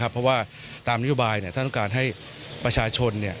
เพราะว่าตามนโยบายท่านต้องการให้ประชาชน